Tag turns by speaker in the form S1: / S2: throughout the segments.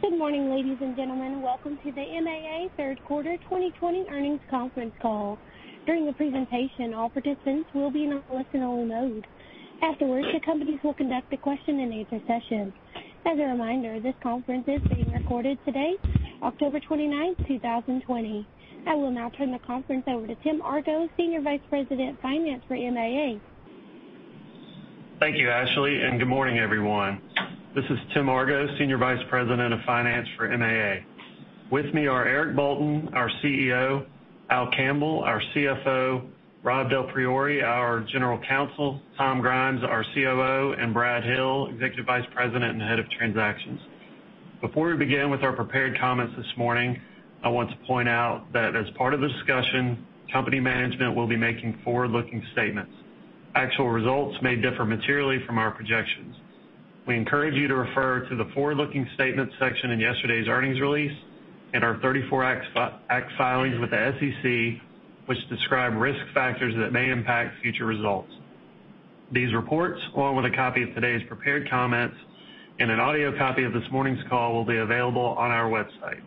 S1: Good morning, ladies and gentlemen. Welcome to the MAA third quarter 2020 earnings conference call. During the presentation, all participants will be in a listen-only mode. Afterwards, the companies will conduct a question-and-answer session. As a reminder, this conference is being recorded today, October 29th, 2020. I will now turn the conference over to Tim Argo, Senior Vice President of Finance for MAA.
S2: Thank you, Ashley, and good morning, everyone. This is Tim Argo, Senior Vice President of Finance for MAA. With me are Eric Bolton, our CEO, Al Campbell, our CFO, Rob DelPriore, our General Counsel, Tom Grimes, our COO, and Brad Hill, Executive Vice President and Head of Transactions. Before we begin with our prepared comments this morning, I want to point out that as part of the discussion, company management will be making forward-looking statements. Actual results may differ materially from our projections. We encourage you to refer to the forward-looking statements section in yesterday's earnings release and our 34 Act filings with the SEC, which describe risk factors that may impact future results. These reports, along with a copy of today's prepared comments and an audio copy of this morning's call will be available on our website.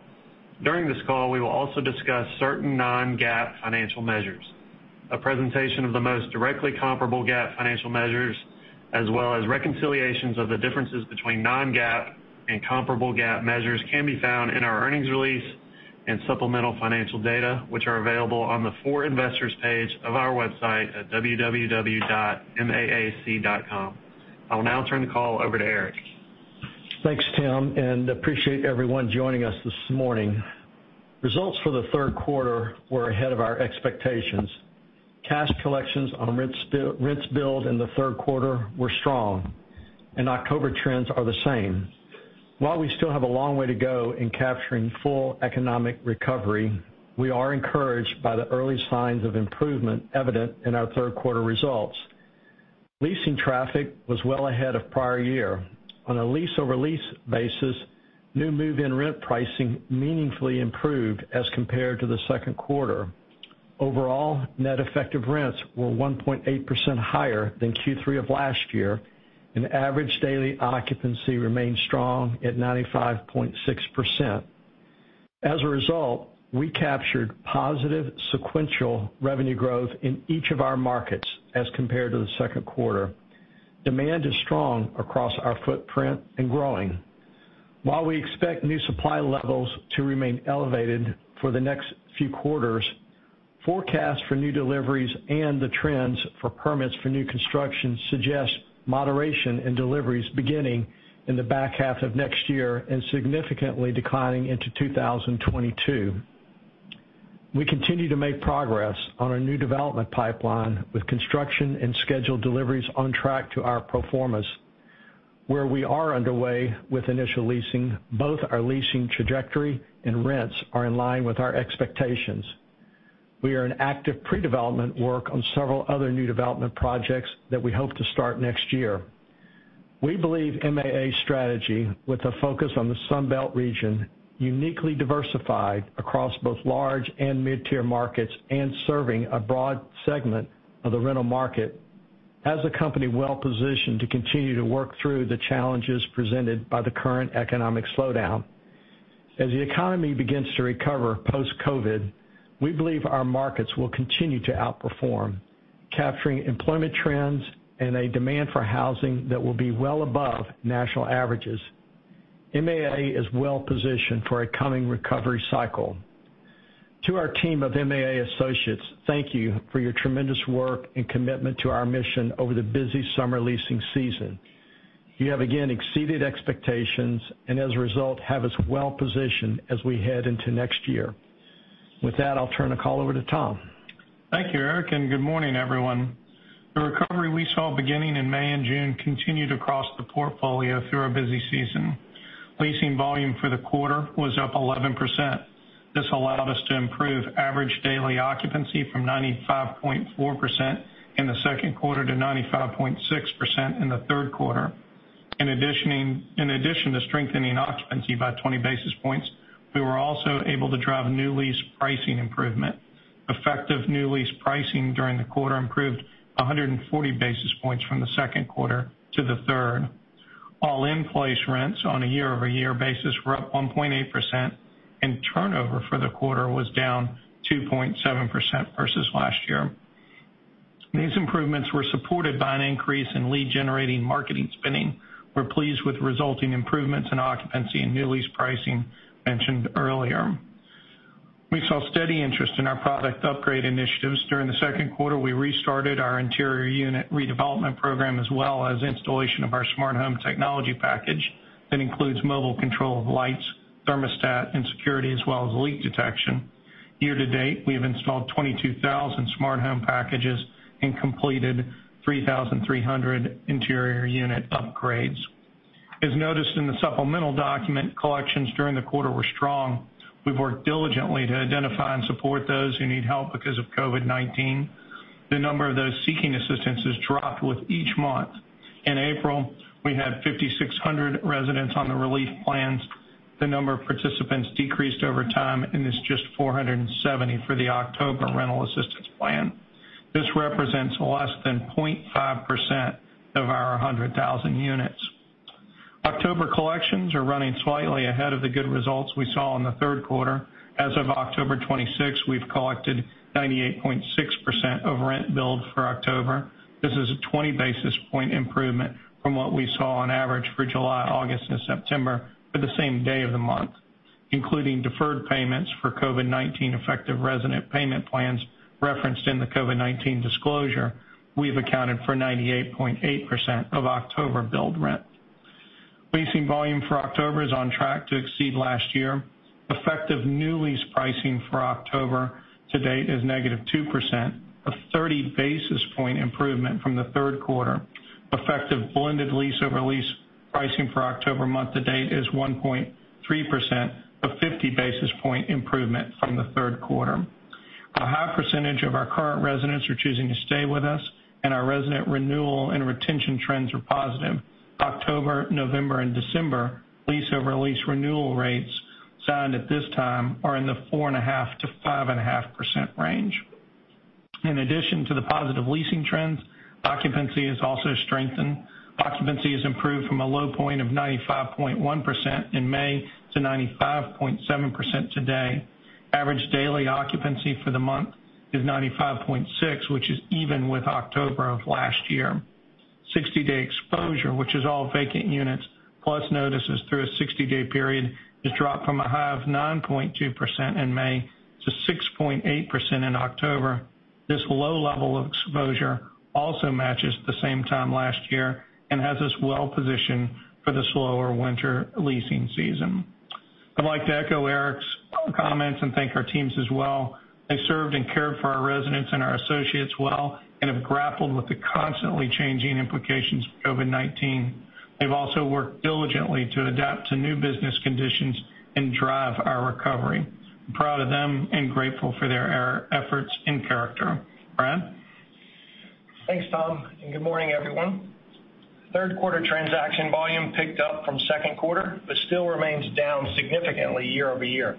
S2: During this call, we will also discuss certain non-GAAP financial measures. A presentation of the most directly comparable GAAP financial measures, as well as reconciliations of the differences between non-GAAP and comparable GAAP measures, can be found in our earnings release and supplemental financial data which are available on the For Investors page of our website at www.maac.com. I will now turn the call over to Eric.
S3: Thanks, Tim, and appreciate everyone joining us this morning. Results for the third quarter were ahead of our expectations. Cash collections on rents billed in the third quarter were strong, and October trends are the same. While we still have a long way to go in capturing full economic recovery, we are encouraged by the early signs of improvement evident in our third quarter results. Leasing traffic was well ahead of prior year. On a lease-over-lease basis, new move-in rent pricing meaningfully improved as compared to the second quarter. Overall, net effective rents were 1.8% higher than Q3 of last year, and average daily occupancy remained strong at 95.6%. As a result, we captured positive sequential revenue growth in each of our markets as compared to the second quarter. Demand is strong across our footprint and growing. While we expect new supply levels to remain elevated for the next few quarters, forecasts for new deliveries and the trends for permits for new construction suggest moderation in deliveries beginning in the back half of next year and significantly declining into 2022. We continue to make progress on our new development pipeline, with construction and scheduled deliveries on track to our pro formas. Where we are underway with initial leasing, both our leasing trajectory and rents are in line with our expectations. We are in active pre-development work on several other new development projects that we hope to start next year. We believe MAA's strategy, with a focus on the Sunbelt region, uniquely diversified across both large and mid-tier markets and serving a broad segment of the rental market, has the company well-positioned to continue to work through the challenges presented by the current economic slowdown. As the economy begins to recover post-COVID-19, we believe our markets will continue to outperform, capturing employment trends and a demand for housing that will be well above national averages. MAA is well-positioned for a coming recovery cycle. To our team of MAA associates, thank you for your tremendous work and commitment to our mission over the busy summer leasing season. You have again exceeded expectations and as a result, have us well-positioned as we head into next year. With that, I'll turn the call over to Tom.
S4: Thank you, Eric, and good morning, everyone. The recovery we saw beginning in May and June continued across the portfolio through our busy season. Leasing volume for the quarter was up 11%. This allowed us to improve average daily occupancy from 95.4% in the second quarter to 95.6% in the third quarter. In addition to strengthening occupancy by 20 basis points, we were also able to drive new lease pricing improvement. Effective new lease pricing during the quarter improved 140 basis points from the second quarter to the third. All-in-place rents on a year-over-year basis were up 1.8%, and turnover for the quarter was down 2.7% versus last year. These improvements were supported by an increase in lead-generating marketing spending. We're pleased with resulting improvements in occupancy and new lease pricing mentioned earlier. We saw steady interest in our product upgrade initiatives. During the second quarter, we restarted our interior unit redevelopment program, as well as installation of our smart home technology package that includes mobile control of lights, thermostat, and security, as well as leak detection. Year-to-date, we have installed 22,000 smart home packages and completed 3,300 interior unit upgrades. As noticed in the supplemental document, collections during the quarter were strong. We've worked diligently to identify and support those who need help because of COVID-19. The number of those seeking assistance has dropped with each month. In April, we had 5,600 residents on the relief plans. The number of participants decreased over time, and it's just 470 for the October rental assistance plan. This represents less than 0.5% of our 100,000 units. October collections are running slightly ahead of the good results we saw in the third quarter. As of October 26th, we've collected 98.6% of rent billed for October. This is a 20 basis point improvement from what we saw on average for July, August, and September for the same day of the month. Including deferred payments for COVID-19 effective resident payment plans referenced in the COVID-19 disclosure, we have accounted for 98.8% of October billed rent. Leasing volume for October is on track to exceed last year. Effective new lease pricing for October to date is -2%, a 30 basis point improvement from the third quarter. Effective blended lease over lease pricing for October month to date is 1.3%, a 50 basis point improvement from the third quarter. A high percentage of our current residents are choosing to stay with us, and our resident renewal and retention trends are positive. October, November, and December lease over lease renewal rates signed at this time are in the 4.5%-5.5% range. In addition to the positive leasing trends, occupancy has also strengthened. Occupancy has improved from a low point of 95.1% in May to 95.7% today. Average daily occupancy for the month is 95.6, which is even with October of last year. 60-day exposure, which is all vacant units, plus notices through a 60-day period, has dropped from a high of 9.2% in May to 6.8% in October. This low level of exposure also matches the same time last year and has us well positioned for the slower winter leasing season. I'd like to echo Eric's comments and thank our teams as well. They served and cared for our residents and our associates well, and have grappled with the constantly changing implications of COVID-19. They've also worked diligently to adapt to new business conditions and drive our recovery. I'm proud of them and grateful for their efforts and character. Brad?
S5: Thanks, Tom, and good morning, everyone. Third quarter transaction volume picked up from second quarter, but still remains down significantly year-over-year.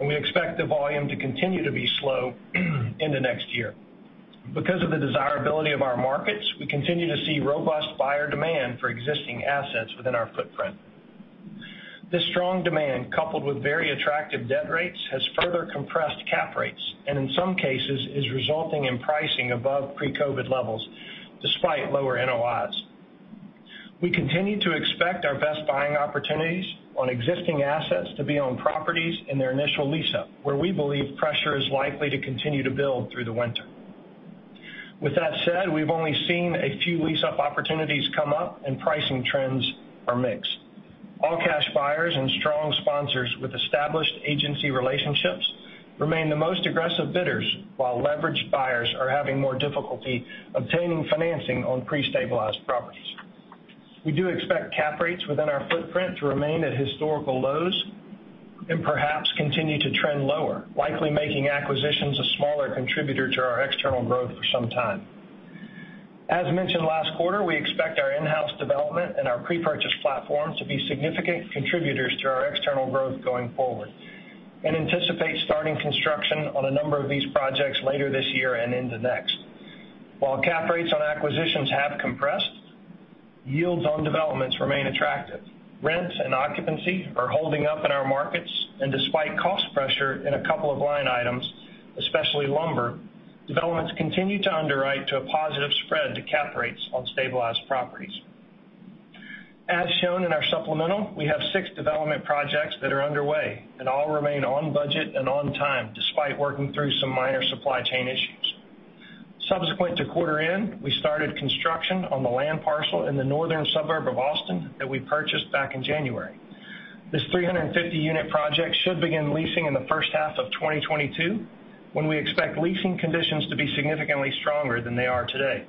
S5: We expect the volume to continue to be slow into next year. Because of the desirability of our markets, we continue to see robust buyer demand for existing assets within our footprint. This strong demand, coupled with very attractive debt rates, has further compressed cap rates, and in some cases, is resulting in pricing above pre-COVID levels despite lower NOIs. We continue to expect our best buying opportunities on existing assets to be on properties in their initial lease-up, where we believe pressure is likely to continue to build through the winter. With that said, we've only seen a few lease-up opportunities come up, and pricing trends are mixed. All cash buyers and strong sponsors with established agency relationships remain the most aggressive bidders, while leveraged buyers are having more difficulty obtaining financing on pre-stabilized properties. We do expect cap rates within our footprint to remain at historical lows and perhaps continue to trend lower, likely making acquisitions a smaller contributor to our external growth for some time. As mentioned last quarter, we expect our in-house development and our pre-purchase platform to be significant contributors to our external growth going forward, and anticipate starting construction on a number of these projects later this year and into next. While cap rates on acquisitions have compressed, yields on developments remain attractive. Rents and occupancy are holding up in our markets, and despite cost pressure in a couple of line items, especially lumber, developments continue to underwrite to a positive spread to cap rates on stabilized properties. As shown in our supplemental, we have six development projects that are underway and all remain on budget and on time, despite working through some minor supply chain issues. Subsequent to quarter end, we started construction on the land parcel in the northern suburb of Austin that we purchased back in January. This 350-unit project should begin leasing in the first half of 2022, when we expect leasing conditions to be significantly stronger than they are today.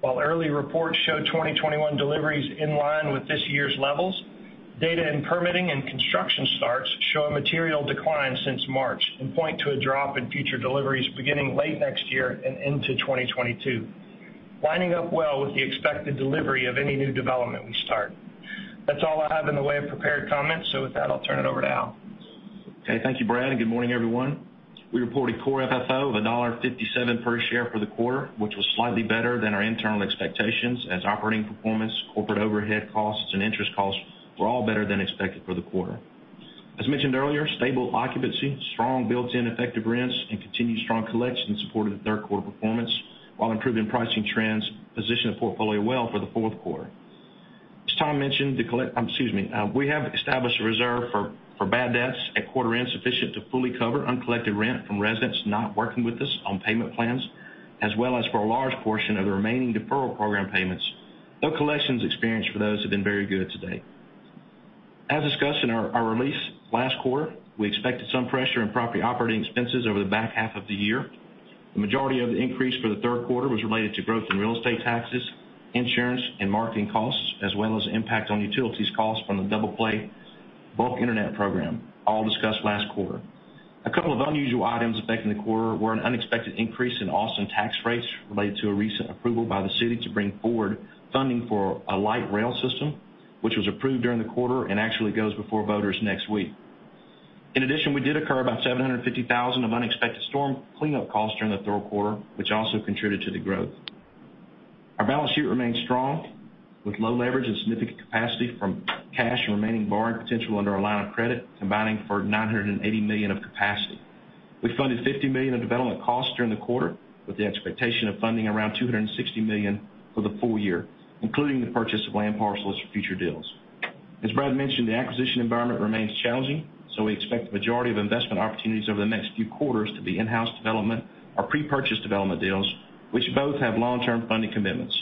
S5: While early reports show 2021 deliveries in line with this year's levels, data and permitting and construction starts show a material decline since March and point to a drop in future deliveries beginning late next year and into 2022, lining up well with the expected delivery of any new development we start. That's all I have in the way of prepared comments. With that, I'll turn it over to Al.
S6: Okay. Thank you, Brad, and good morning, everyone. We reported core FFO of $1.57 per share for the quarter, which was slightly better than our internal expectations as operating performance, corporate overhead costs, and interest costs were all better than expected for the quarter. As mentioned earlier, stable occupancy, strong built-in effective rents, and continued strong collections supported the third quarter performance, while improving pricing trends position the portfolio well for the fourth quarter. As Tom mentioned, Excuse me. We have established a reserve for bad debts at quarter end sufficient to fully cover uncollected rent from residents not working with us on payment plans, as well as for a large portion of the remaining deferral program payments, though collections experienced for those have been very good to date. As discussed in our release last quarter, we expected some pressure in property operating expenses over the back half of the year. The majority of the increase for the third quarter was related to growth in real estate taxes, insurance, and marketing costs, as well as impact on utilities costs from the Double Play bulk internet program, all discussed last quarter. A couple of unusual items affecting the quarter were an unexpected increase in Austin tax rates related to a recent approval by the city to bring forward funding for a light rail system, which was approved during the quarter and actually goes before voters next week. We did incur about 750,000 of unexpected storm cleanup costs during the third quarter, which also contributed to the growth. Our balance sheet remains strong, with low leverage and significant capacity from cash and remaining borrowing potential under our line of credit, combining for $980 million of capacity. We funded $50 million of development costs during the quarter, with the expectation of funding around $260 million for the full-year, including the purchase of land parcels for future deals. As Brad mentioned, the acquisition environment remains challenging, we expect the majority of investment opportunities over the next few quarters to be in-house development or pre-purchase development deals, which both have long-term funding commitments.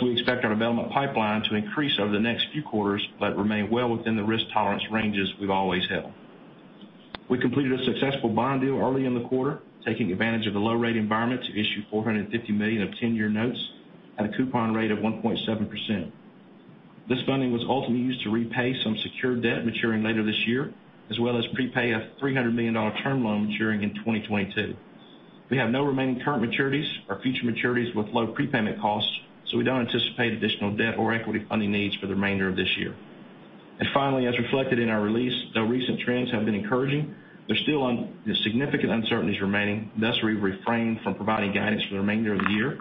S6: We expect our development pipeline to increase over the next few quarters but remain well within the risk tolerance ranges we've always held. We completed a successful bond deal early in the quarter, taking advantage of the low rate environment to issue $450 million of 10-year notes at a coupon rate of 1.7%. This funding was ultimately used to repay some secured debt maturing later this year, as well as prepay a $300 million term loan maturing in 2022. We have no remaining current maturities or future maturities with low prepayment costs, so we don't anticipate additional debt or equity funding needs for the remainder of this year. Finally, as reflected in our release, though recent trends have been encouraging, there's still significant uncertainties remaining. Thus, we refrain from providing guidance for the remainder of the year,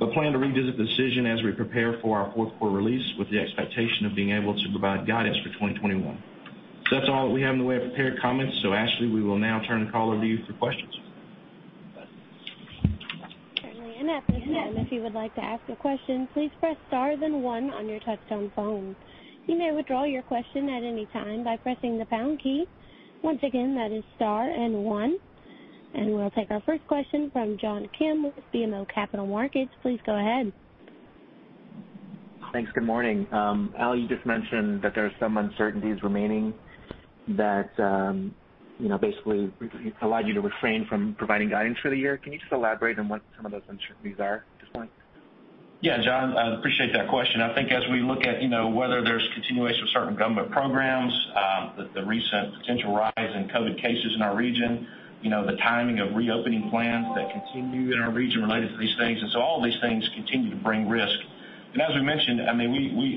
S6: but plan to revisit the decision as we prepare for our fourth quarter release with the expectation of being able to provide guidance for 2021. That's all that we have in the way of prepared comments. Ashley, we will now turn the call over to you for questions.
S1: We'll take our first question from John Kim with BMO Capital Markets. Please go ahead.
S7: Thanks, good morning. Al, you just mentioned that there are some uncertainties remaining that basically allowed you to refrain from providing guidance for the year. Can you just elaborate on what some of those uncertainties are at this point?
S6: Yeah, John, I appreciate that question. I think as we look at whether there's continuation of certain government programs, the recent potential rise in COVID-19 cases in our region, the timing of reopening plans that continue in our region related to these things. All of these things continue to bring risk. As we mentioned,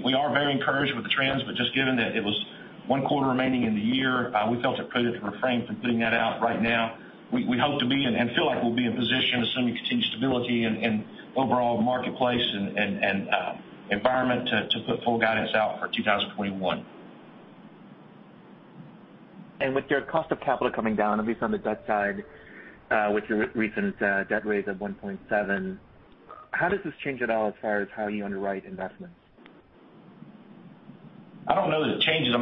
S6: we are very encouraged with the trends, but just given that it was one quarter remaining in the year, we felt it prudent to refrain from putting that out right now. We hope to be, and feel like we'll be in position assuming continued stability in overall marketplace and environment to put full guidance out for 2021.
S7: With your cost of capital coming down, at least on the debt side, with your recent debt raise of 1.7%, how does this change at all as far as how you underwrite investments?
S6: I don't know that it changes.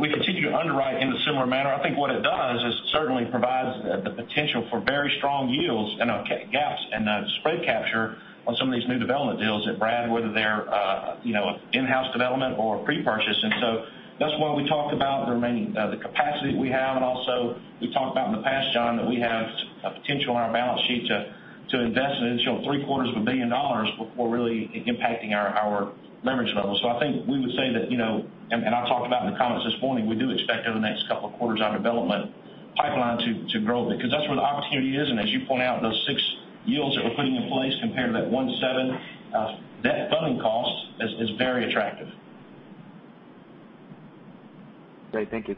S6: We continue to underwrite in a similar manner. I think what it does is certainly provides the potential for very strong yields and gaps and spread capture on some of these new development deals that Brad, whether they're in-house development or pre-purchase. That's why we talked about the remaining, the capacity that we have, and also we've talked about in the past, John, that we have a potential on our balance sheet to invest an additional $750 million before really impacting our leverage levels. I think we would say that, and I talked about in the comments this morning, we do expect over the next couple of quarters our development pipeline to grow because that's where the opportunity is. As you point out, those six yields that we're putting in place compared to that 1.7% debt funding cost is very attractive.
S7: Great, thank you.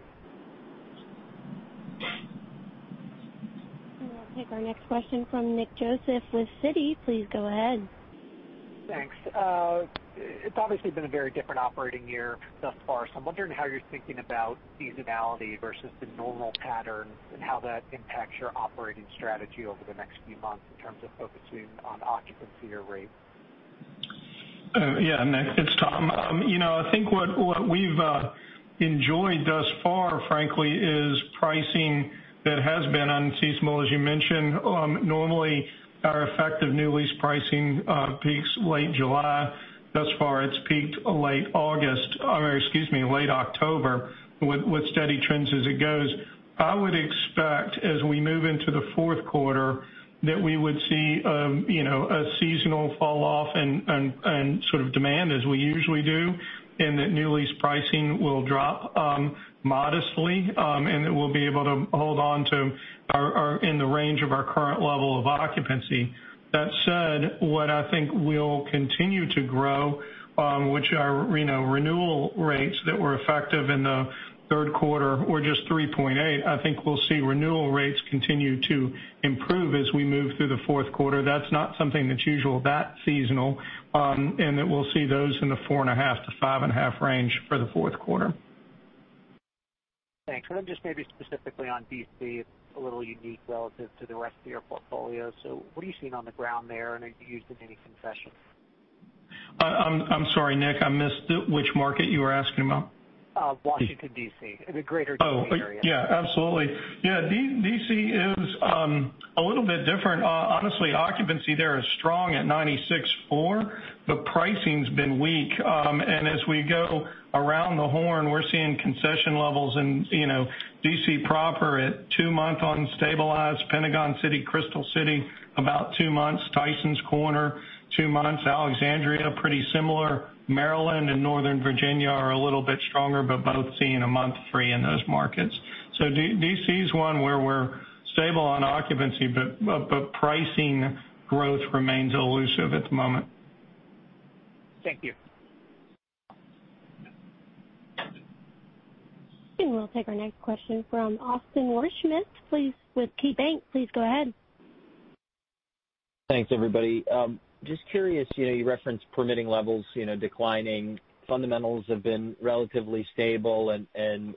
S1: We'll take our next question from Nick Joseph with Citi. Please go ahead.
S8: Thanks. It's obviously been a very different operating year thus far, so I'm wondering how you're thinking about seasonality versus the normal patterns and how that impacts your operating strategy over the next few months in terms of focusing on occupancy or rate.
S4: Yeah, Nick, it's Tom. I think what we've enjoyed thus far, frankly, is pricing that has been unseasonal, as you mentioned. Normally, our effective new lease pricing peaks late July. Thus far, it's peaked late August, or excuse me, late October with steady trends as it goes. I would expect as we move into the fourth quarter that we would see a seasonal fall off and sort of demand as we usually do, and that new lease pricing will drop modestly, and that we'll be able to hold on to in the range of our current level of occupancy. That said, what I think will continue to grow, which are renewal rates that were effective in the third quarter or just 3.8%, I think we'll see renewal rates continue to improve as we move through the fourth quarter. That's not something that is usual, that seasonal, and that we will see those in the 4.5%-5.5% range for the fourth quarter.
S8: Thanks. Just maybe specifically on D.C., it's a little unique relative to the rest of your portfolio. What are you seeing on the ground there, and are you seeing any concessions?
S4: I'm sorry, Nick, I missed it. Which market you were asking about?
S8: Washington, D.C., the greater D.C. area.
S4: Oh, yeah, absolutely. Yeah, D.C. is a little bit different. Honestly, occupancy there is strong at 96.4, but pricing's been weak. As we go around the horn, we're seeing concession levels in D.C. proper at two months on stabilized Pentagon City, Crystal City, about two months, Tysons Corner, two months. Alexandria, pretty similar. Maryland and Northern Virginia are a little bit stronger, but both seeing a month free in those markets. D.C. is one where we're stable on occupancy, but pricing growth remains elusive at the moment.
S8: Thank you.
S1: We'll take our next question from Austin Wurschmidt, please, with KeyBanc. Please go ahead.
S9: Thanks, everybody. Just curious, you referenced permitting levels declining. Fundamentals have been relatively stable and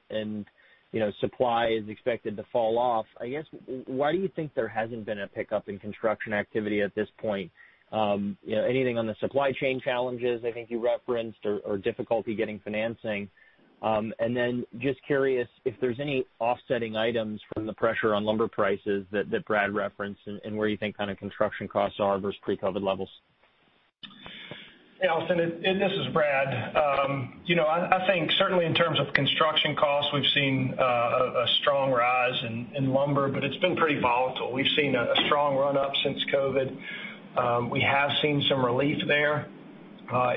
S9: supply is expected to fall off. I guess, why do you think there hasn't been a pickup in construction activity at this point? Anything on the supply chain challenges I think you referenced or difficulty getting financing? Then just curious if there's any offsetting items from the pressure on lumber prices that Brad referenced and where you think kind of construction costs are versus pre-COVID-19 levels?
S5: Yeah, Austin, this is Brad. I think certainly in terms of construction costs, we've seen a strong rise in lumber, but it's been pretty volatile. We've seen a strong run-up since COVID. We have seen some relief there,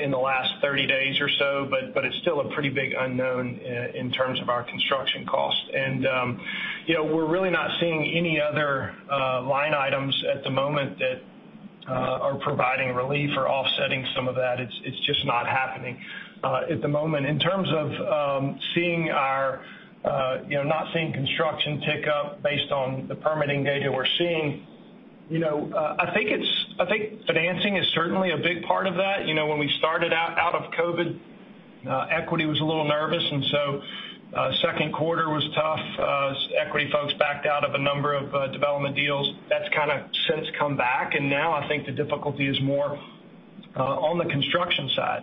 S5: in the last 30 days or so, but it's still a pretty big unknown in terms of our construction costs. We're really not seeing any other line items at the moment that are providing relief or offsetting some of that. It's just not happening at the moment. In terms of not seeing construction tick up based on the permitting data we're seeing, I think financing is certainly a big part of that. When we started out of COVID, equity was a little nervous. Second quarter was tough as equity folks backed out of a number of development deals. That's kind of since come back. Now, I think the difficulty is more on the construction side.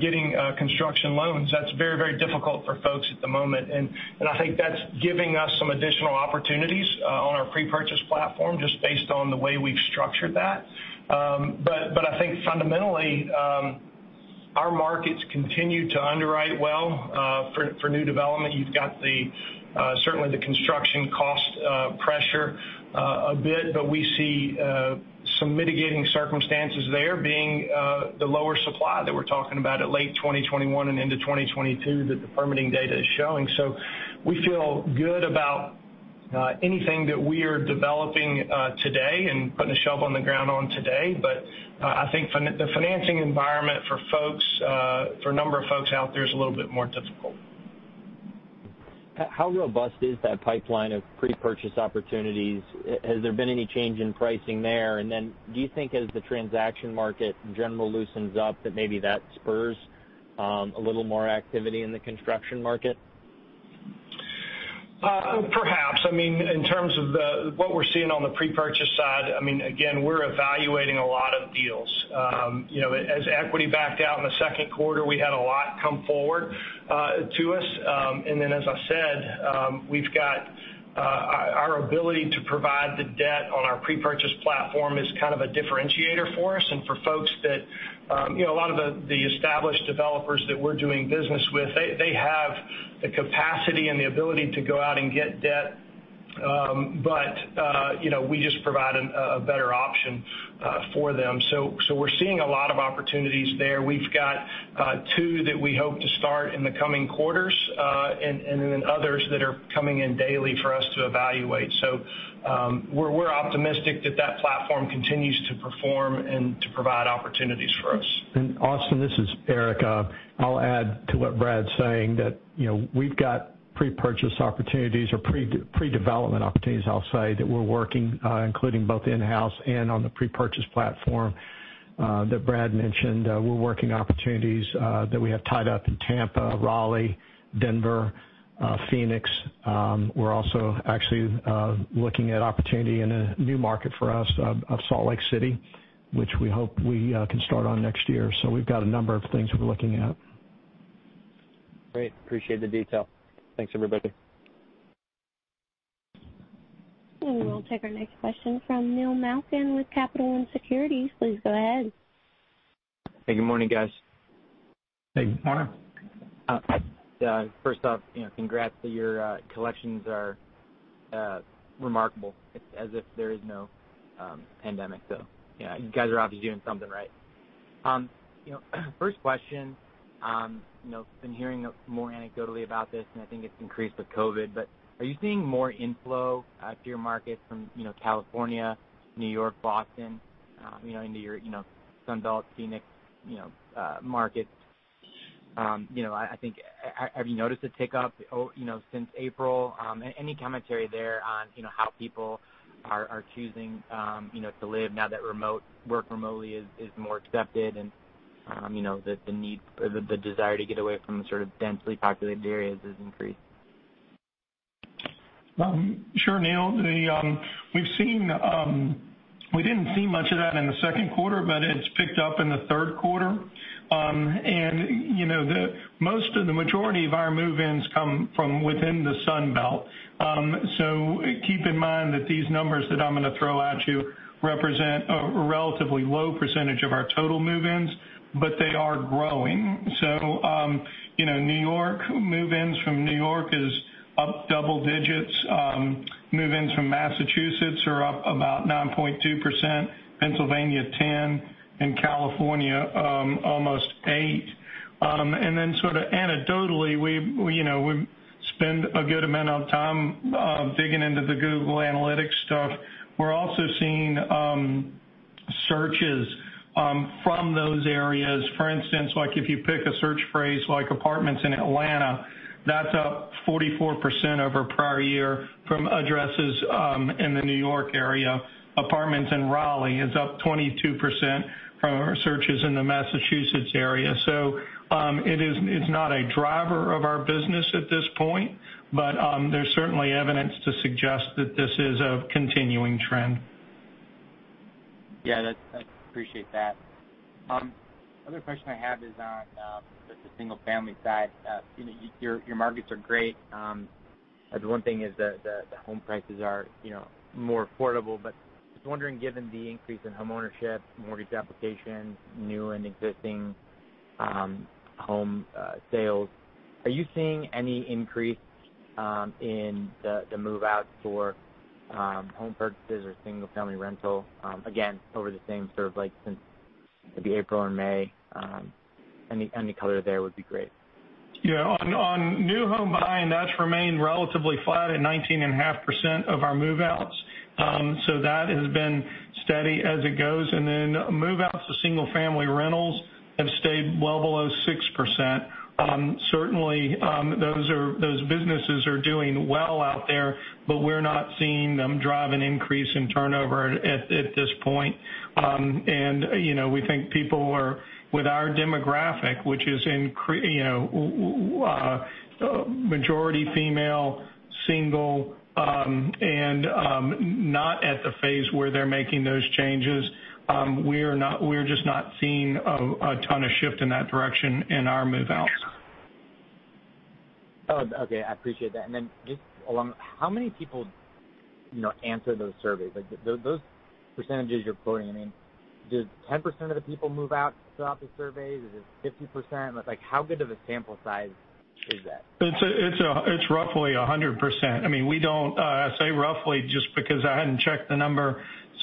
S5: Getting construction loans, that's very difficult for folks at the moment. I think that's giving us some additional opportunities on our pre-purchase platform just based on the way we've structured that. I think fundamentally, our markets continue to underwrite well for new development. You've got certainly the construction cost pressure a bit. We see some mitigating circumstances there being the lower supply that we're talking about at late 2021 and into 2022 that the permitting data is showing. We feel good about anything that we are developing today and putting a shovel in the ground on today. I think the financing environment for a number of folks out there is a little bit more difficult.
S9: How robust is that pipeline of pre-purchase opportunities? Has there been any change in pricing there? Do you think as the transaction market in general loosens up, that maybe that spurs a little more activity in the construction market?
S5: Perhaps. In terms of what we're seeing on the pre-purchase side, again, we're evaluating a lot of deals. As equity backed out in the second quarter, we had a lot come forward to us. As I said, our ability to provide the debt on our pre-purchase platform is kind of a differentiator for us. A lot of the established developers that we're doing business with, they have the capacity and the ability to go out and get debt. We just provide a better option for them. We're seeing a lot of opportunities there. We've got two that we hope to start in the coming quarters, and then others that are coming in daily for us to evaluate. We're optimistic that that platform continues to perform and to provide opportunities for us.
S3: Austin, this is Eric. I'll add to what Brad's saying that we've got pre-purchase opportunities or pre-development opportunities, I'll say, that we're working, including both in-house and on the pre-purchase platform that Brad mentioned. We're working opportunities that we have tied up in Tampa, Raleigh, Denver, Phoenix. We're also actually looking at opportunity in a new market for us of Salt Lake City, which we hope we can start on next year. We've got a number of things we're looking at.
S9: Great, appreciate the detail. Thanks, everybody.
S1: We'll take our next question from Neil Malkin with Capital One Securities. Please go ahead.
S10: Hey, good morning, guys.
S3: Hey, good morning.
S10: First off, congrats that your collections are remarkable, as if there is no pandemic. You guys are obviously doing something right. First question, been hearing more anecdotally about this, and I think it's increased with COVID-19, but are you seeing more inflow to your markets from California, New York, Boston into your Sunbelt, Phoenix markets? Have you noticed a tick up since April? Any commentary there on how people are choosing to live now that work remotely is more accepted and the desire to get away from the sort of densely populated areas has increased?
S4: Sure, Neil. We didn't see much of that in the second quarter, but it's picked up in the third quarter. The majority of our move-ins come from within the Sunbelt. Keep in mind that these numbers that I'm going to throw at you represent a relatively low percentage of our total move-ins, but they are growing. Move-ins from New York is up double digits. Move-ins from Massachusetts are up about 9.2%, Pennsylvania 10%, and California almost 8%. Then sort of anecdotally, we've spend a good amount of time digging into the Google Analytics stuff. We're also seeing searches from those areas. For instance, if you pick a search phrase like apartments in Atlanta, that's up 44% over prior year from addresses in the New York area. Apartments in Raleigh is up 22% from our searches in the Massachusetts area. It's not a driver of our business at this point, but there's certainly evidence to suggest that this is a continuing trend.
S10: Yeah, I appreciate that. Other question I have is on just the single-family side. Your markets are great. The one thing is that the home prices are more affordable, just wondering, given the increase in homeownership, mortgage applications, new and existing home sales, are you seeing any increase in the move-outs for home purchases or single-family rental, again, over the same sort of like since maybe April and May? Any color there would be great.
S4: On new home buying, that's remained relatively flat at 19.5% of our move-outs. That has been steady as it goes. Move-outs to single-family rentals have stayed well below 6%. Certainly, those businesses are doing well out there. We're not seeing them drive an increase in turnover at this point. We think people are with our demographic, which is majority female, single, and not at the phase where they're making those changes. We're just not seeing a ton of shift in that direction in our move-outs.
S10: Okay, I appreciate that. Just along, how many people answer those surveys? Those percentages you're quoting, does 10% of the people move out fill out the surveys? Is it 50%? How good of a sample size is that?
S4: It's roughly 100%. I say roughly just because I hadn't checked the number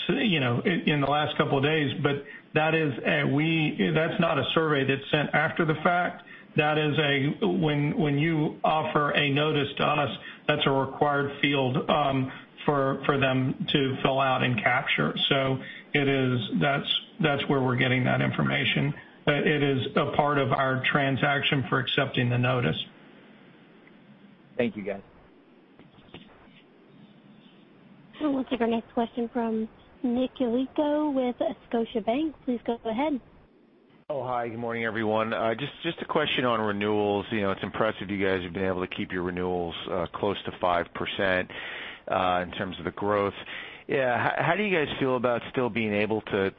S4: in the last couple of days. That's not a survey that's sent after the fact. That is a when you offer a notice to us, that's a required field for them to fill out and capture. That's where we're getting that information. It is a part of our transaction for accepting the notice.
S10: Thank you, guys.
S1: We'll take our next question from Nick Yulico with Scotiabank. Please go ahead.
S11: Hi. Good morning, everyone. Just a question on renewals. It's impressive you guys have been able to keep your renewals close to 5% in terms of the growth. How do you guys feel about still being able to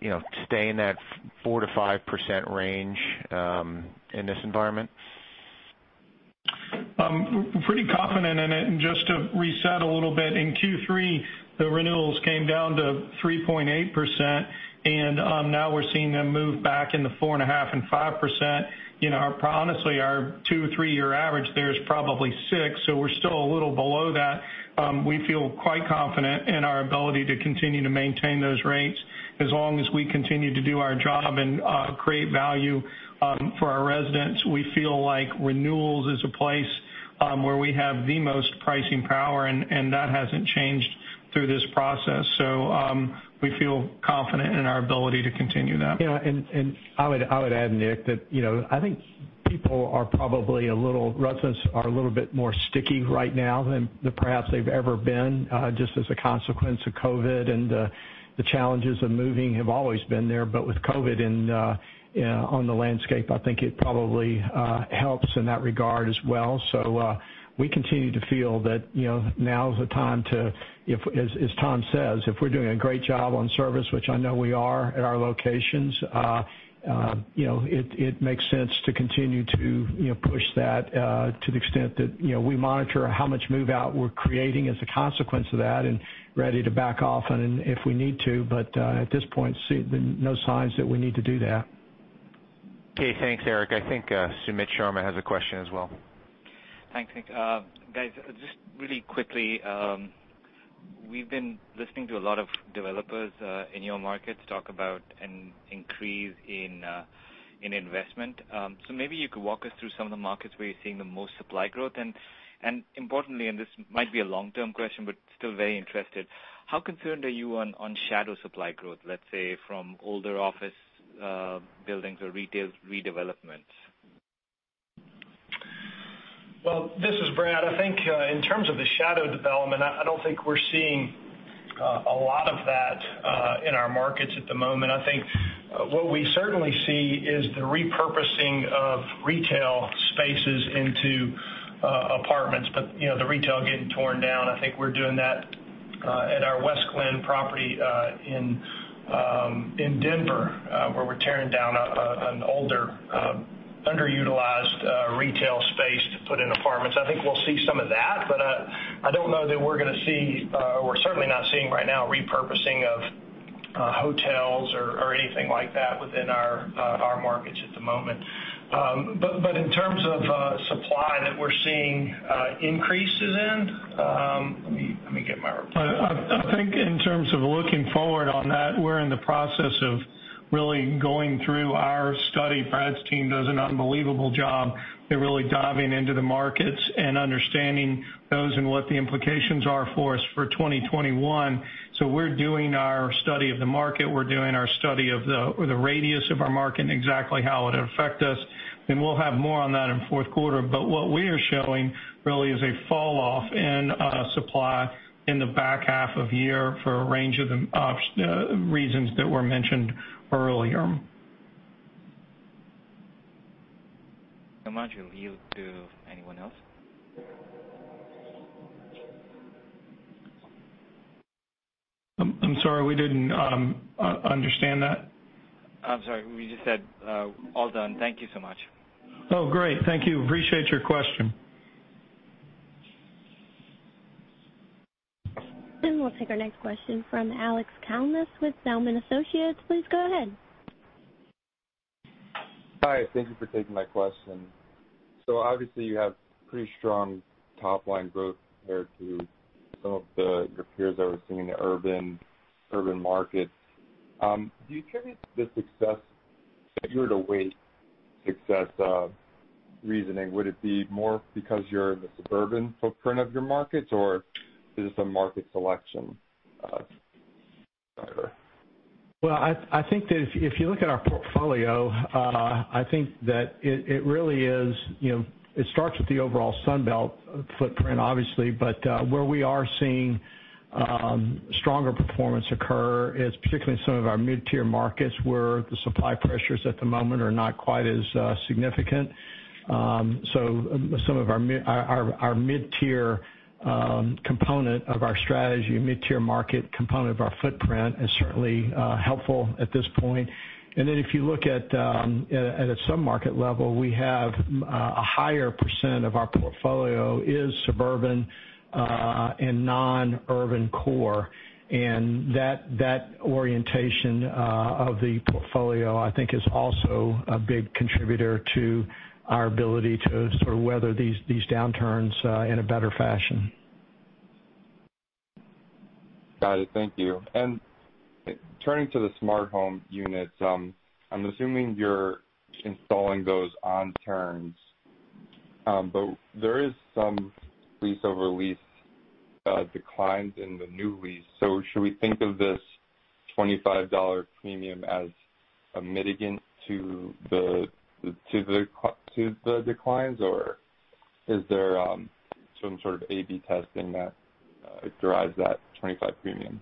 S11: stay in that 4%-5% range in this environment?
S4: We're pretty confident in it. Just to reset a little bit, in Q3, the renewals came down to 3.8%, and now we're seeing them move back in the 4.5% and 5%. Honestly, our two, three-year average there is probably 6%, so we're still a little below that. We feel quite confident in our ability to continue to maintain those rates as long as we continue to do our job and create value for our residents. We feel like renewals is a place where we have the most pricing power, and that hasn't changed through this process. We feel confident in our ability to continue that.
S3: I would add, Nick, that I think residents are a little bit more sticky right now than perhaps they've ever been, just as a consequence of COVID, and the challenges of moving have always been there. With COVID on the landscape, I think it probably helps in that regard as well. We continue to feel that now's the time to, as Tom says, if we're doing a great job on service, which I know we are at our locations, it makes sense to continue to push that to the extent that we monitor how much move-out we're creating as a consequence of that and ready to back off if we need to. At this point, no signs that we need to do that.
S11: Okay, thanks, Eric. I think Sumit Sharma has a question as well.
S12: Thanks, Nick. Guys, just really quickly, we've been listening to a lot of developers in your markets talk about an increase in investment. Maybe you could walk us through some of the markets where you're seeing the most supply growth, and importantly, and this might be a long-term question, but still very interested, how concerned are you on shadow supply growth, let's say, from older office buildings or retail redevelopments?
S5: Well, this is Brad. I think in terms of the shadow development, I don't think we're seeing a lot of that in our markets at the moment. I think what we certainly see is the repurposing of retail spaces into apartments, but the retail getting torn down. I think we're doing that at our Westglenn property in Denver, where we're tearing down an older, underutilized retail space to put in apartments. I think we'll see some of that, but I don't know that we're going to see, or we're certainly not seeing right now, repurposing of hotels or anything like that within our markets at the moment. In terms of supply that we're seeing increases in Let me get my report.
S4: I think in terms of looking forward on that, we're in the process of really going through our study. Brad's team does an unbelievable job at really diving into the markets and understanding those and what the implications are for us for 2021. We're doing our study of the market. We're doing our study of the radius of our market and exactly how it'll affect us, we'll have more on that in fourth quarter. What we are showing really is a falloff in supply in the back half of year for a range of reasons that were mentioned earlier.
S12: All done, anyone else?
S4: I'm sorry, we didn't understand that.
S12: I'm sorry, we just said all done. Thank you so much.
S4: Great, thank you. Appreciate your question.
S1: We'll take our next question from Alex Kalmus with Zelman & Associates. Please go ahead.
S13: Hi, thank you for taking my question. Obviously, you have pretty strong top-line growth compared to some of your peers that we're seeing in the urban markets. Do you attribute the success, if you were to weight success, reasoning, would it be more because you're in the suburban footprint of your markets, or is this a market selection driver?
S4: I think that if you look at our portfolio, I think that it starts with the overall Sunbelt footprint, obviously. Where we are seeing stronger performance occur is particularly in some of our mid-tier markets where the supply pressures at the moment are not quite as significant. Some of our mid-tier component of our strategy, mid-tier market component of our footprint is certainly helpful at this point. If you look at a sub-market level, we have a higher percent of our portfolio is suburban and non-urban core. That orientation of the portfolio, I think, is also a big contributor to our ability to sort of weather these downturns in a better fashion.
S13: Got it, thank you. Turning to the smart home units, I'm assuming you're installing those on turns. There is some lease-over-lease declines in the new lease. Should we think of this $25 premium as a mitigant to the declines, or is there some sort of A/B testing that drives that $25 premium?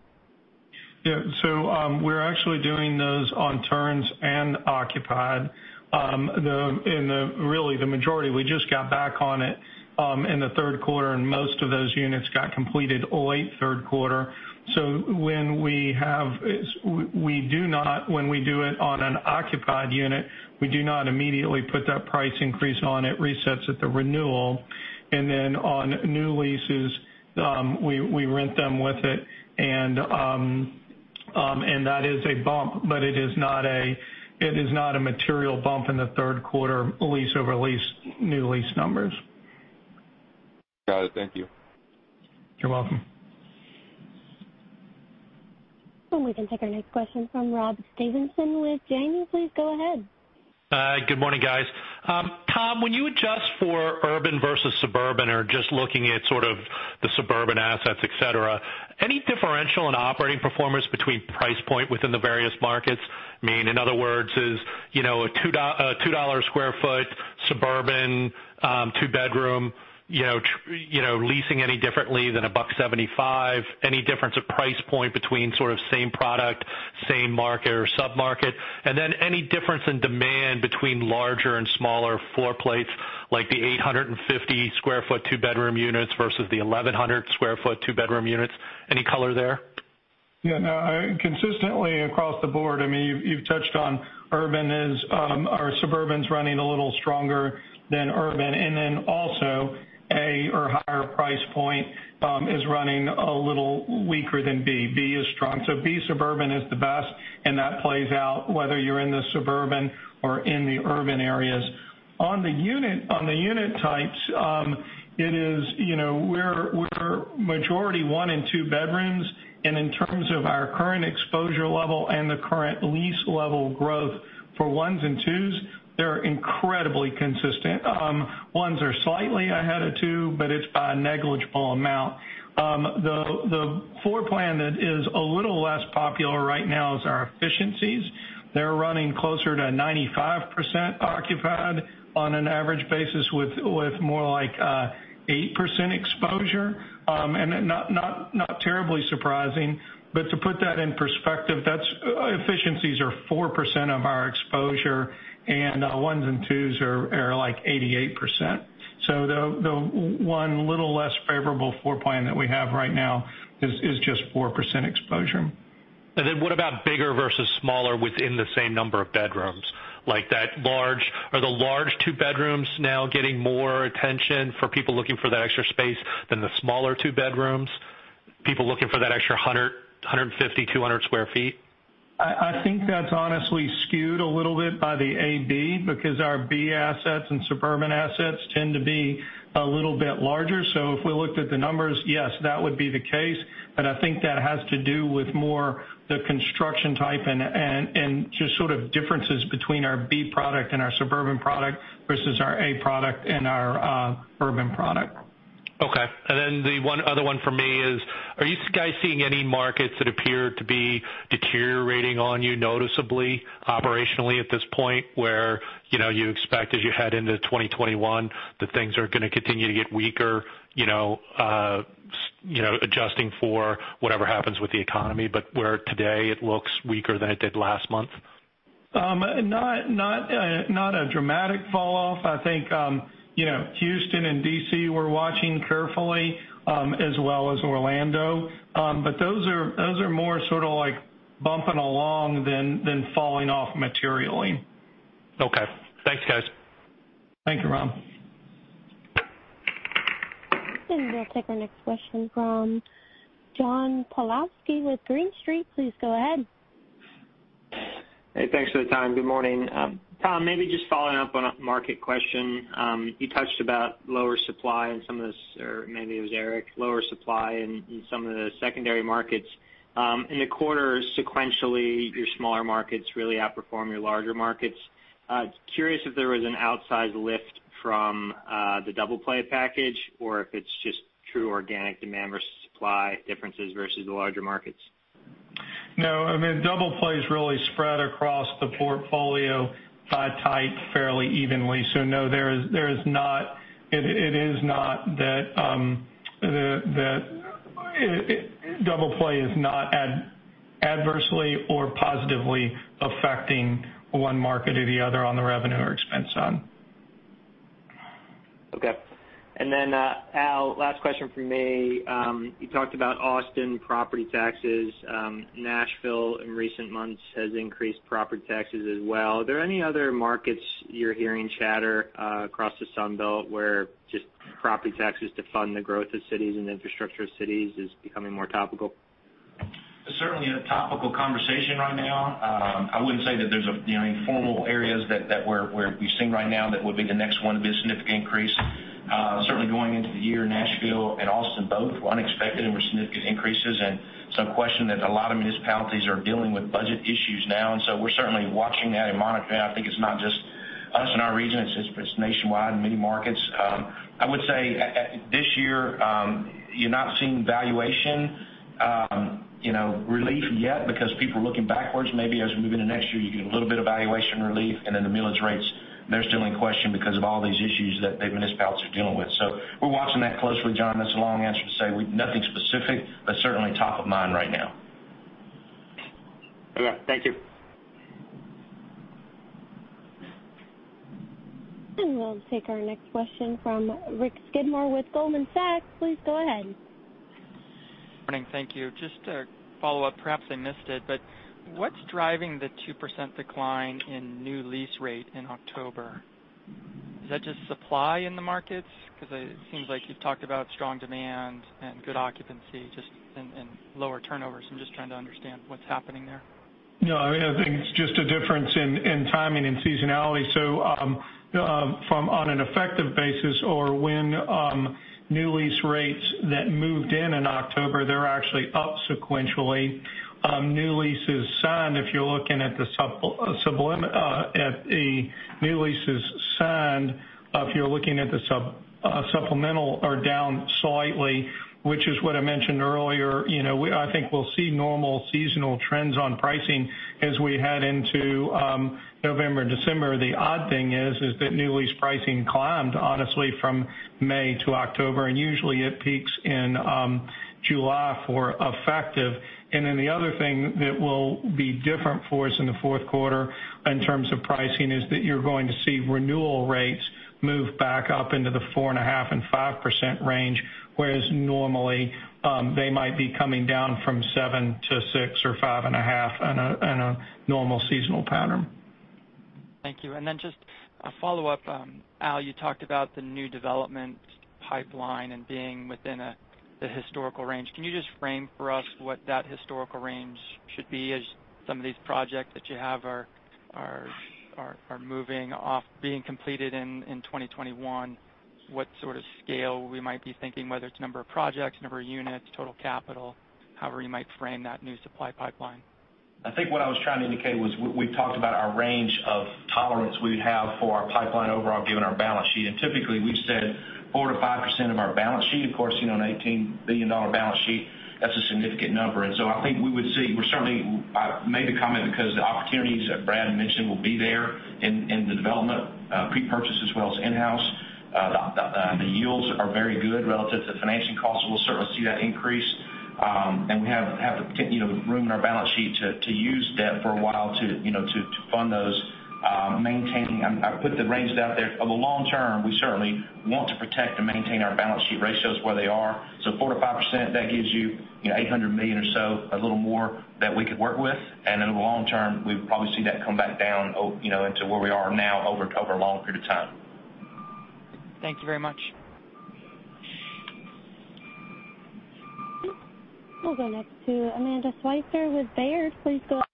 S4: We're actually doing those on turns and occupied, and really, the majority, we just got back on it in the third quarter, and most of those units got completed late third quarter. When we do it on an occupied unit, we do not immediately put that price increase on it. It resets at the renewal. Then on new leases, we rent them with it, and that is a bump, but it is not a material bump in the third quarter lease-over-lease new lease numbers.
S13: Got it, thank you.
S4: You're welcome.
S1: We can take our next question from Rob Stevenson with Janney. Please go ahead.
S14: Hi. Good morning, guys. Tom, when you adjust for urban versus suburban or just looking at sort of the suburban assets, etc, any differential in operating performance between price point within the various markets? In other words, is a $2 a sq ft suburban two-bedroom leasing any differently than a $1.75? Any difference of price point between sort of same product, same market or sub-market? Then any difference in demand between larger and smaller floor plates, like the 850 sq ft two-bedroom units versus the 1,100 sq ft two-bedroom units? Any color there?
S4: No, consistently across the board, you've touched on our suburban's running a little stronger than urban, A or higher price point is running a little weaker than B. B is strong. B suburban is the best, that plays out whether you're in the suburban or in the urban areas. On the unit types, we're majority one and two bedrooms. In terms of our current exposure level and the current lease level growth for 1s and 2s, they're incredibly consistent. 1s are slightly ahead of 2s, it's by a negligible amount. The floor plan that is a little less popular right now is our efficiencies. They're running closer to 95% occupied on an average basis with more like 8% exposure. Not terribly surprising, to put that in perspective, efficiencies are 4% of our exposure, 1s and 2s are like 88%. The one little less favorable floor plan that we have right now is just 4% exposure.
S14: What about bigger versus smaller within the same number of bedrooms? Are the large two bedrooms now getting more attention for people looking for that extra space than the smaller two bedrooms, people looking for that extra 100, 150, 200 sq ft?
S4: I think that's honestly skewed a little bit by the A/B, because our B assets and suburban assets tend to be a little bit larger. If we looked at the numbers, yes, that would be the case. I think that has to do with more the construction type and just sort of differences between our B product and our suburban product versus our A product and our urban product.
S14: Okay. The one other one for me is, are you guys seeing any markets that appear to be deteriorating on you noticeably operationally at this point, where you expect as you head into 2021 that things are going to continue to get weaker, adjusting for whatever happens with the economy, but where today it looks weaker than it did last month?
S4: Not a dramatic fall off. I think Houston and D.C. we're watching carefully, as well as Orlando. Those are more sort of like bumping along than falling off materially.
S14: Okay. Thanks, guys.
S4: Thank you, Rob.
S1: We'll take our next question from John Pawlowski with Green Street. Please go ahead.
S15: Hey, thanks for the time. Good morning. Tom, maybe just following up on a market question. You touched about lower supply and some of this, or maybe it was Eric, lower supply in some of the secondary markets. In the quarter sequentially, your smaller markets really outperform your larger markets. Curious if there was an outsized lift from the Double Play package or if it's just true organic demand versus supply differences versus the larger markets.
S4: No. Double Play's really spread across the portfolio by type fairly evenly. No, Double Play is not adversely or positively affecting one market or the other on the revenue or expense on.
S15: Okay. Al, last question from me. You talked about Austin property taxes. Nashville in recent months has increased property taxes as well. Are there any other markets you're hearing chatter across the Sunbelt where just property taxes to fund the growth of cities and infrastructure of cities is becoming more topical?
S6: Certainly a topical conversation right now. I wouldn't say that there's any formal areas that we're seeing right now that would be the next one to be a significant increase. Certainly going into the year, Nashville and Austin both were unexpected and were significant increases. Some question that a lot of municipalities are dealing with budget issues now. We're certainly watching that and monitoring. I think it's not just us in our region, it's nationwide in many markets. I would say this year, you're not seeing valuation relief yet because people are looking backwards. Maybe as we move into next year, you get a little bit of valuation relief. The millage rates, they're still in question because of all these issues that the municipalities are dealing with. We're watching that closely, John. That's a long answer to say nothing specific, but certainly top of mind right now.
S15: Okay. Thank you.
S1: We'll take our next question from Rick Skidmore with Goldman Sachs. Please go ahead.
S16: Morning, thank you. Just to follow up, perhaps I missed it, but what's driving the 2% decline in new lease rate in October? Is that just supply in the markets? It seems like you've talked about strong demand and good occupancy, just and lower turnovers. I'm just trying to understand what's happening there.
S4: I think it's just a difference in timing and seasonality. From on an effective basis or when new lease rates that moved in in October, they're actually up sequentially. New leases signed, if you're looking at the supplemental, are down slightly, which is what I mentioned earlier. I think we'll see normal seasonal trends on pricing as we head into November, December. The odd thing is that new lease pricing climbed, honestly, from May to October, and usually it peaks in July for effective. The other thing that will be different for us in the fourth quarter in terms of pricing is that you're going to see renewal rates move back up into the 4.5% and 5% range, whereas normally they might be coming down from 7%-6% or 5.5% in a normal seasonal pattern.
S16: Thank you. Just a follow-up. Al, you talked about the new development pipeline and being within the historical range. Can you just frame for us what that historical range should be as some of these projects that you have are moving off being completed in 2021? What sort of scale we might be thinking, whether it's number of projects, number of units, total capital, however you might frame that new supply pipeline.
S6: I think what I was trying to indicate was we talked about our range of tolerance we would have for our pipeline overall given our balance sheet. Typically, we've said 4%-5% of our balance sheet. Of course, an $18 billion balance sheet, that's a significant number. I think we would see, we certainly made the comment because the opportunities that Brad mentioned will be there in the development prepurchase as well as in-house. The yields are very good relative to financing costs, so we'll certainly see that increase. We have the room in our balance sheet to use debt for a while to fund those maintaining. I put the range out there. Over the long term, we certainly want to protect and maintain our balance sheet ratios where they are 4%-5%, that gives you $800 million or so a little more that we could work with. In the long term, we would probably see that come back down into where we are now over a long period of time.
S16: Thank you very much.
S1: We'll go next to Amanda Sweitzer with Baird. Please go ahead.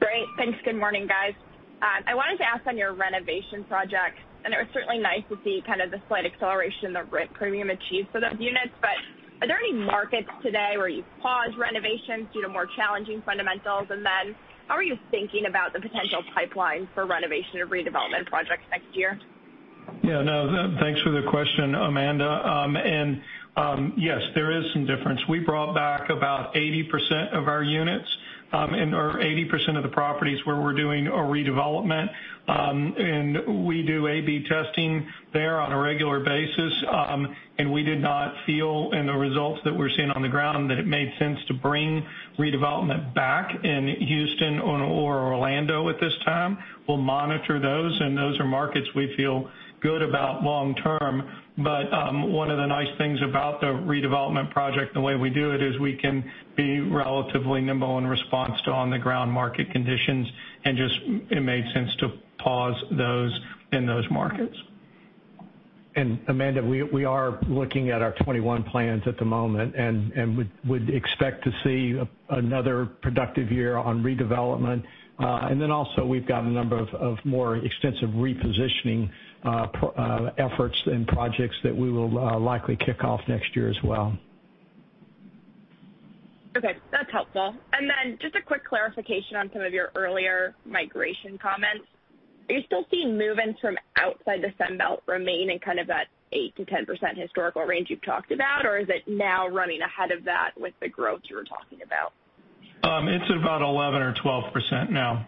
S17: Great. Thanks. Good morning, guys. I wanted to ask on your renovation projects, and it was certainly nice to see kind of the slight acceleration in the rent premium achieved for those units, but are there any markets today where you've paused renovations due to more challenging fundamentals? Then how are you thinking about the potential pipeline for renovation or redevelopment projects next year?
S4: Yeah, no, thanks for the question, Amanda. Yes, there is some difference. We brought back about 80% of our units, or 80% of the properties where we're doing a redevelopment. We do A/B testing there on a regular basis, and we did not feel in the results that we're seeing on the ground that it made sense to bring redevelopment back in Houston or Orlando at this time. We'll monitor those, and those are markets we feel good about long term. One of the nice things about the redevelopment project, the way we do it is we can be relatively nimble in response to on-the-ground market conditions and just it made sense to pause those in those markets.
S3: Amanda, we are looking at our 2021 plans at the moment and would expect to see another productive year on redevelopment. Also, we've got a number of more extensive repositioning efforts and projects that we will likely kick off next year as well.
S17: Okay, that's helpful. Just a quick clarification on some of your earlier migration comments. Are you still seeing move-ins from outside the Sunbelt remain in kind of that 8%-10% historical range you've talked about, or is it now running ahead of that with the growth you were talking about?
S4: It's about 11% or 12% now.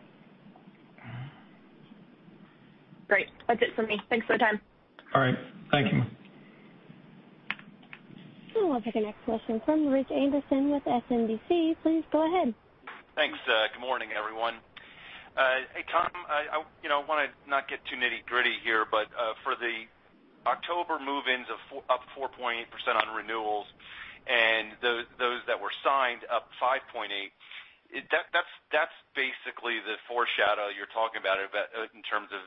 S17: Great, that's it for me. Thanks for the time.
S4: All right, thank you.
S1: We'll take the next question from Rich Anderson with SMBC. Please go ahead.
S18: Thanks. Good morning, everyone. Hey, Tom, I want to not get too nitty-gritty here, but for the October move-ins of up 4.8% on renewals and those that were signed up 5.8%, that's basically the foreshadow you're talking about in terms of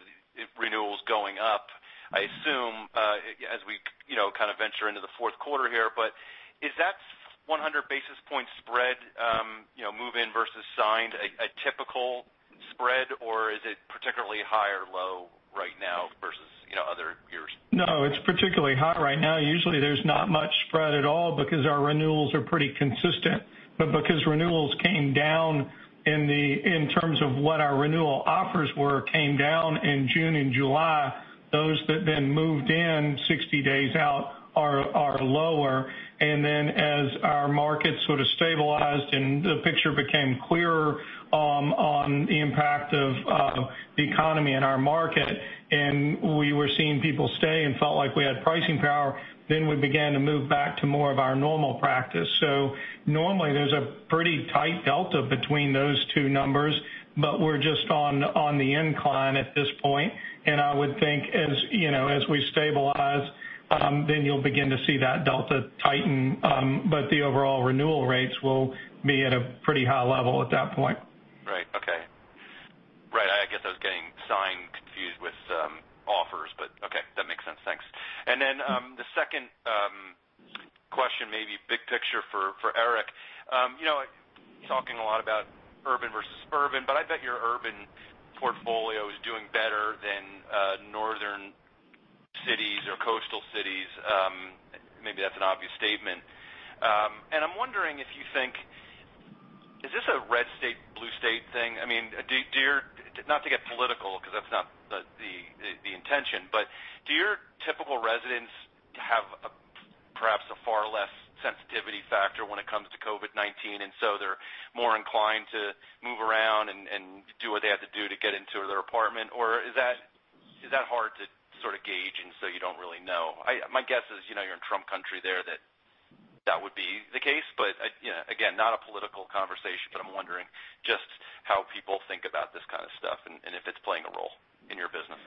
S18: renewals going up, I assume, as we kind of venture into the fourth quarter here. Is that 100 basis point spread move-in versus signed a typical spread or is it particularly high or low right now versus other years?
S4: No, it's particularly high right now. Usually, there's not much spread at all because our renewals are pretty consistent. Because renewals came down in terms of what our renewal offers were came down in June and July, those that then moved in 60 days out are lower. As our market sort of stabilized and the picture became clearer on the impact of the economy and our market, and we were seeing people stay and felt like we had pricing power, then we began to move back to more of our normal practice. Normally, there's a pretty tight delta between those two numbers, but we're just on the incline at this point. I would think as we stabilize, then you'll begin to see that delta tighten, but the overall renewal rates will be at a pretty high level at that point.
S18: Okay. Right, I guess I was getting signed confused with offers. Okay, that makes sense. Thanks. The second question may be big picture for Eric. Talking a lot about urban versus suburban. I bet your urban portfolio is doing better than northern cities or coastal cities. Maybe that's an obvious statement. I'm wondering if you think, is this a red state, blue state thing? I mean, not to get political because that's not the intention, but do your typical residents have perhaps a far less sensitivity factor when it comes to COVID-19, and so they're more inclined to move around and do what they have to do to get into their apartment? Is that hard to sort of gauge and so you don't really know? My guess is you're in Trump country there, that that would be the case. Again, not a political conversation, but I'm wondering just how people think about this kind of stuff and if it's playing a role in your business.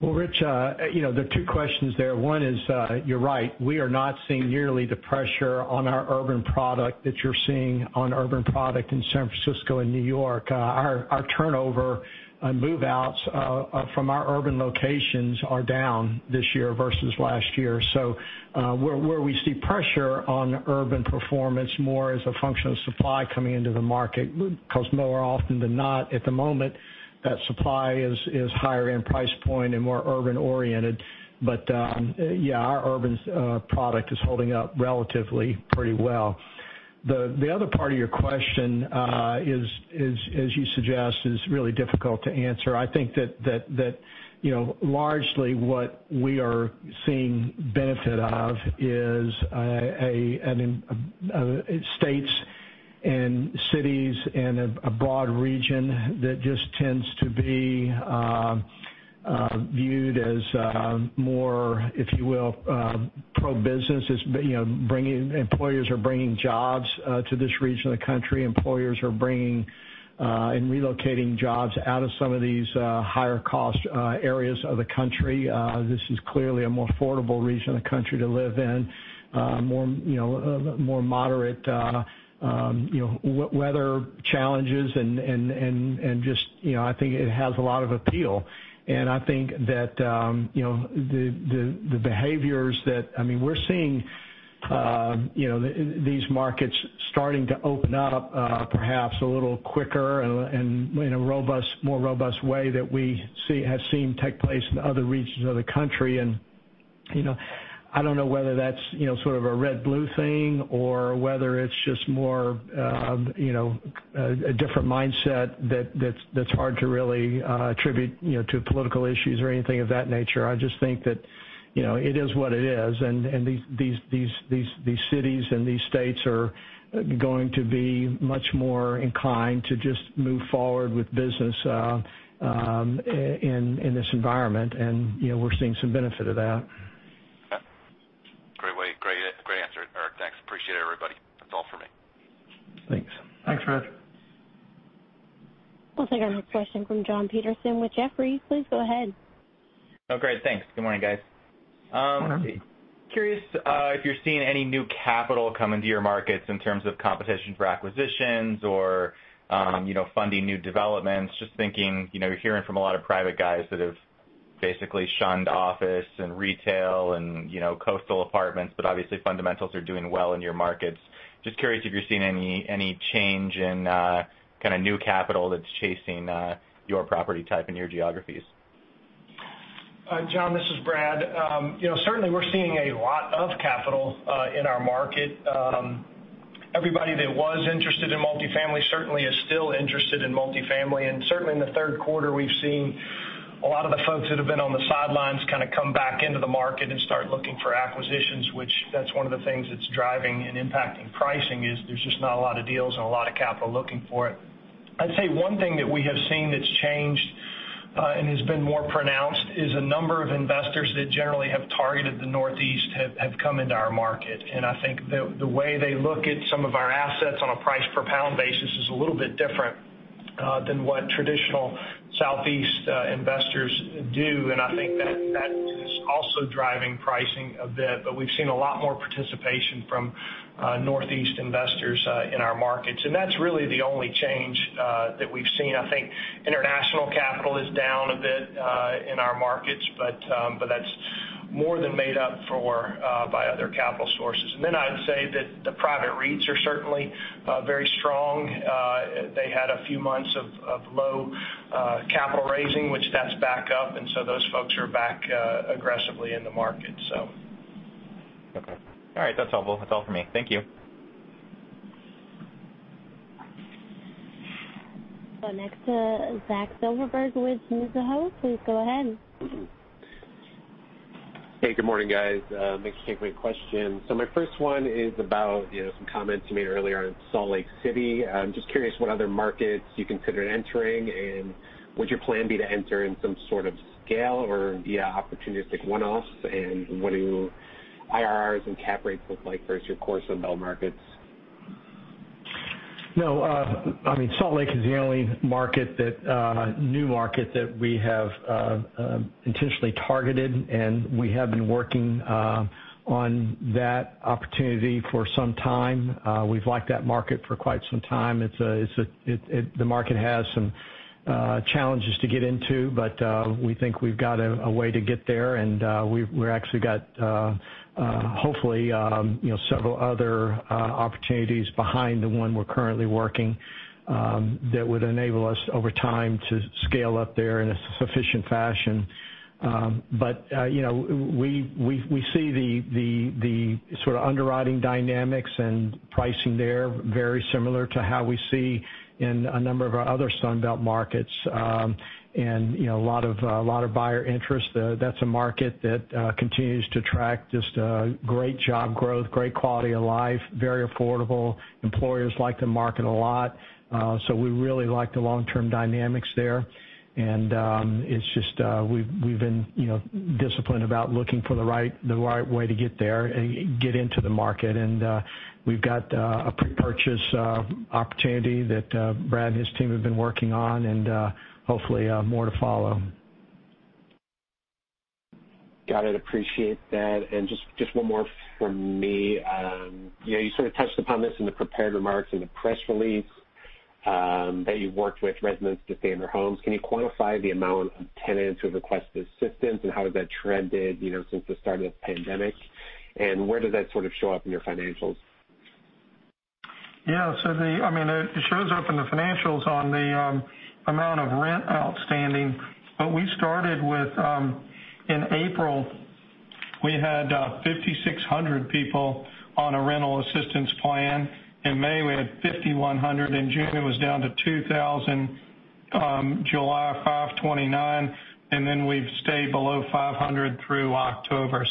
S3: Well, Rich, there are two questions there. One is, you're right, we are not seeing nearly the pressure on our urban product that you're seeing on urban product in San Francisco and New York. Our turnover move-outs from our urban locations are down this year versus last year. Where we see pressure on urban performance more as a function of supply coming into the market, because more often than not, at the moment, that supply is higher in price point and more urban-oriented. Yeah, our urban product is holding up relatively pretty well. The other part of your question, as you suggest, is really difficult to answer. I think that largely what we are seeing benefit of is states and cities and a broad region that just tends to be viewed as more, if you will, pro-business. Employers are bringing jobs to this region of the country. Employers are bringing and relocating jobs out of some of these higher-cost areas of the country. This is clearly a more affordable region of the country to live in. More moderate weather challenges and just I think it has a lot of appeal. I think that the behaviors I mean, we're seeing these markets starting to open up perhaps a little quicker and in a more robust way that we have seen take place in other regions of the country. I don't know whether that's sort of a red-blue thing or whether it's just more a different mindset that's hard to really attribute to political issues or anything of that nature. I just think that it is what it is, and these cities and these states are going to be much more inclined to just move forward with business in this environment. We're seeing some benefit of that.
S18: Great answer, Eric. Thanks. Appreciate it, everybody. That's all for me.
S3: Thanks.
S5: Thanks, Rich.
S1: Looks like our next question from Jon Petersen with Jefferies. Please go ahead.
S19: Oh, great. Thanks. Good morning, guys.
S3: Morning.
S19: Curious if you're seeing any new capital come into your markets in terms of competition for acquisitions or funding new developments. Just thinking, you're hearing from a lot of private guys that have basically shunned office and retail and coastal apartments, but obviously fundamentals are doing well in your markets. Just curious if you're seeing any change in kind of new capital that's chasing your property type in your geographies.
S5: Jon, this is Brad. Certainly we're seeing a lot of capital in our market. Everybody that was interested in multifamily certainly is still interested in multifamily. Certainly in the third quarter we've seen a lot of the folks that have been on the sidelines kind of come back into the market and start looking for acquisitions, which that's one of the things that's driving and impacting pricing is there's just not a lot of deals and a lot of capital looking for it. I'd say one thing that we have seen that's changed, and has been more pronounced, is a number of investors that generally have targeted the Northeast have come into our market. I think the way they look at some of our assets on a price per pound basis is a little bit different than what traditional Southeast investors do, and I think that is also driving pricing a bit. We've seen a lot more participation from Northeast investors in our markets, and that's really the only change that we've seen. I think international capital is down a bit in our markets, but that's more than made up for by other capital sources. Then I'd say that the private REITs are certainly very strong. They had a few months of low capital raising, which that's back up. Those folks are back aggressively in the market.
S19: Okay. All right, that's all for me. Thank you.
S1: Next, Zach Silverberg with Mizuho. Please go ahead.
S20: Hey, good morning, guys. Thanks for taking my questions. My first one is about some comments you made earlier on Salt Lake City. I'm just curious what other markets you consider entering, and would your plan be to enter in some sort of scale or via opportunistic one-offs, and what do IRRs and cap rates look like versus your core Sunbelt markets?
S3: No. Salt Lake is the only new market that we have intentionally targeted. We have been working on that opportunity for some time. We've liked that market for quite some time. The market has some challenges to get into. We think we've got a way to get there and we've actually got hopefully several other opportunities behind the one we're currently working that would enable us over time to scale up there in a sufficient fashion. We see the sort of underwriting dynamics and pricing there very similar to how we see in a number of our other Sunbelt markets. A lot of buyer interest. That's a market that continues to track just great job growth, great quality of life, very affordable. Employers like the market a lot. We really like the long-term dynamics there. We've been disciplined about looking for the right way to get there and get into the market. We've got a pre-purchase opportunity that Brad and his team have been working on and hopefully more to follow.
S20: Got it, appreciate that. Just one more from me. You sort of touched upon this in the prepared remarks in the press release, that you've worked with residents to stay in their homes. Can you quantify the amount of tenants who have requested assistance, and how has that trended since the start of the pandemic? Where does that sort of show up in your financials?
S4: Yeah, it shows up in the financials on the amount of rent outstanding. We started with in April, we had 5,600 people on a rental assistance plan. In May, we had 5,100. In June, it was down to 2,000. July, 529. Then we've stayed below 500 through October.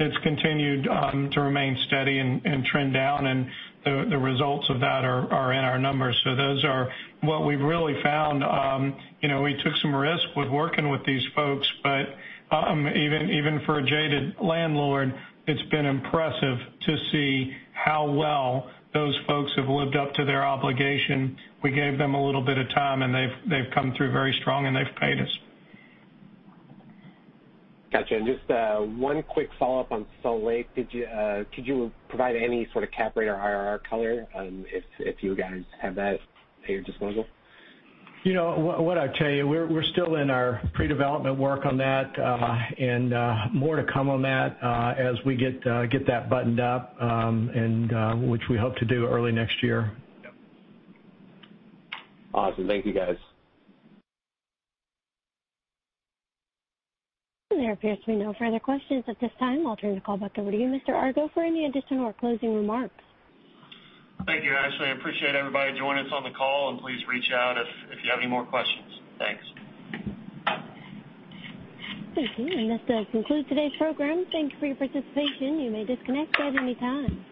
S4: It's continued to remain steady and trend down, and the results of that are in our numbers. What we've really found, we took some risk with working with these folks, but even for a jaded landlord, it's been impressive to see how well those folks have lived up to their obligation. We gave them a little bit of time, and they've come through very strong, and they've paid us.
S20: Gotcha. Just one quick follow-up on Salt Lake. Could you provide any sort of cap rate or IRR color if you guys have that at your disposal?
S4: What I'd tell you, we're still in our pre-development work on that. More to come on that as we get that buttoned up, which we hope to do early next year.
S20: Yep, awesome. Thank you, guys.
S1: There appears to be no further questions at this time. I'll turn the call back over to you, Mr. Argo, for any additional or closing remarks.
S2: Thank you, Ashley. I appreciate everybody joining us on the call, and please reach out if you have any more questions. Thanks.
S1: Thank you. This does conclude today's program. Thank you for your participation, you may disconnect at any time.